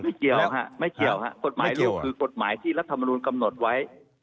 เกี่ยวฮะไม่เกี่ยวฮะกฎหมายเร็วคือกฎหมายที่รัฐมนุนกำหนดไว้